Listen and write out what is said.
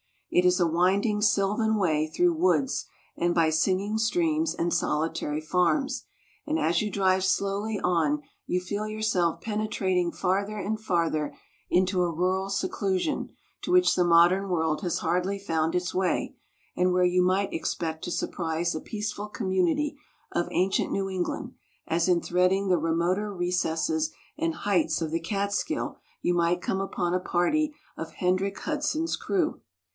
It is a winding sylvan way through woods and by singing streams and solitary farms, and as you drive slowly on you feel yourself penetrating farther and farther into a rural seclusion to which the modern world has hardly found its way, and where you might expect to surprise a peaceful community of ancient New England, as in threading the remoter recesses and heights of the Catskill you might come upon a party of Hendrik Hudson's crew.